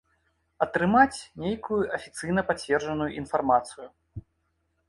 Атрымаць нейкую афіцыйна пацверджаную інфармацыю.